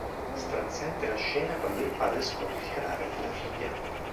Straziante la scena quando il padre scopre il cadavere della figlia.